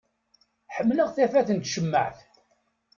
Ḥemmleɣ tafat n tcemmaεt.